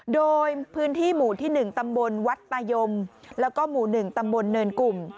โดยพื้นที่หมู่ที่๑ตำบลวัดตายมแล้วก็หมู่๑ตำบลเนินกลุ่ม